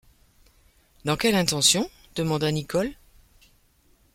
Dans quelle intention ? demanda Nicholl.